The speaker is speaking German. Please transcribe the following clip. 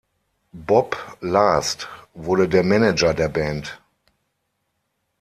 Bob Last wurde der Manager der Band.